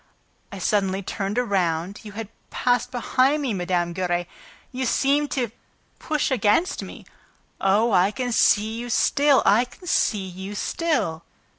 I suddenly turned around ... you had passed behind me, Mme. Giry ... You seemed to push against me ... Oh, I can see you still, I can see you still!"